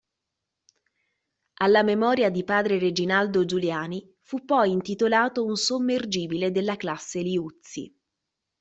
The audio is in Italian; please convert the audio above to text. Alla memoria di padre Reginaldo Giuliani fu poi intitolato un sommergibile della classe Liuzzi.